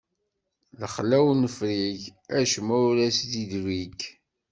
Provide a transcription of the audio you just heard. Lexla ur nefrig, acemma ur as-idrig.